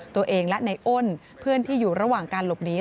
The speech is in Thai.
ตัวเองและในอ้นเพื่อนที่อยู่ระหว่างการหลบหนี